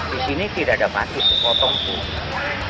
di sini tidak ada batu sepotong pun